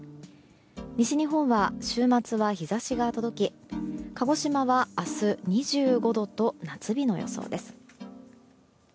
西日本は週末は日差しが届き鹿児島は明日２５度と夏日の予想です。